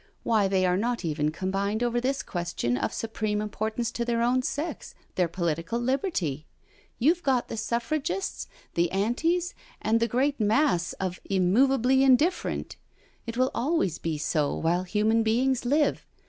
Why, they are not even com bined over this question of supreme importance to their own sex — their political liberty. You've got the Suffragists, the Amis, and the great mass of Inunov ably Indifferent. It will always be so while human beings live.